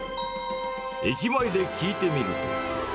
駅前で聞いてみると。